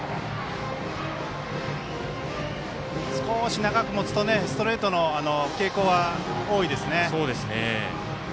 少し長く持つとストレートの傾向は多いですね。